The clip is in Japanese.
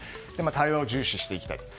対話を重視していきたいと。